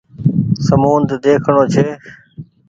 سمونڌ ۮيکڻو ڇي